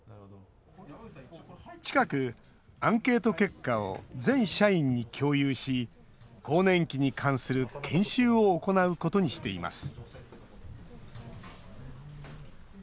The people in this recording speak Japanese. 近く、アンケート結果を全社員に共有し更年期に関する研修を行うことにしています